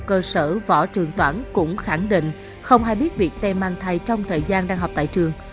cơ sở võ trường toản cũng khẳng định không hay biết việc tê mang thai trong thời gian đang học tại trường